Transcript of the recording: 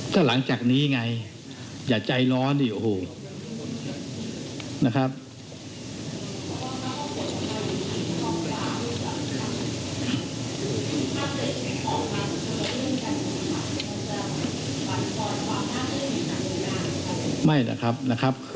ก็หลังจากนี้ไงอย่าใจร้อนดิโอ้โหนะครับ